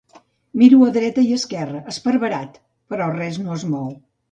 Miro a dreta i esquerra, esparverat, però res no es mou.